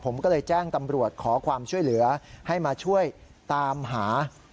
ผมก็เลยแจ้งตำรวจขอความช่วยเหลือให้มาช่วยตามหา